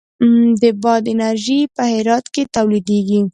د باد انرژي په هرات کې تولیدیږي